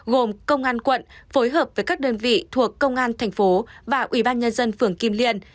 gồm công an quận phối hợp với các đơn vị thuộc công an thành phố và ubnd phường kim liên